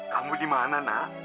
kamu di mana nak